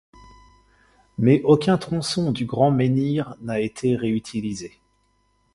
Mais aucun tronçon du grand menhir n'a été réutilisé.